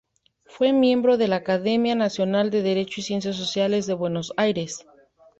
Fue miembro de la Academia Nacional de Derecho y Ciencias Sociales de Buenos Aires.